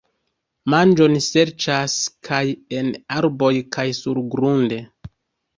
Manĝon serĉas kaj en arboj kaj surgrunde.